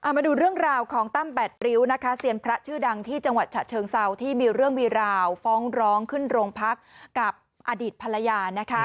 มาดูเรื่องราวของตั้มแปดริ้วนะคะเซียนพระชื่อดังที่จังหวัดฉะเชิงเซาที่มีเรื่องมีราวฟ้องร้องขึ้นโรงพักกับอดีตภรรยา